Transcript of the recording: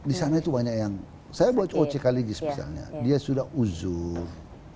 di sana itu banyak yang saya buat ojkligis misalnya dia sudah usuh